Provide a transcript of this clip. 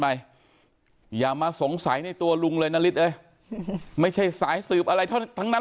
อย่ามาสงสัยในตัวลุงเลยนาริสเอ้ยไม่ใช่สายสืบอะไรทั้งนั้น